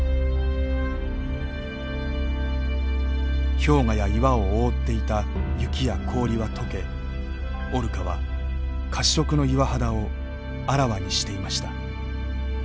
氷河や岩を覆っていた雪や氷は解けオルカは褐色の岩肌をあらわにしていました。